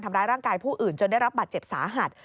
ทำร้ายร่างกายผู้อื่นจนได้รับบาดเจ็บสาหัส